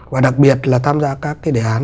và đặc biệt là tham gia các cái đề án